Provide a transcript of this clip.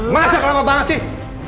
masa kelapa banget sih